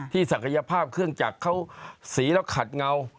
ศักยภาพเครื่องจักรเขาสีแล้วขัดเงา